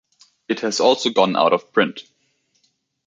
It has also gone out of print.